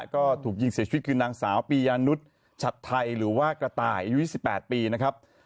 ก็ถูกยิงเสียชีวิตคือนางสาวปียานุษย์ฉัดไทยหรือว่ากระต่ายอายุ๒๘ปีนะครับ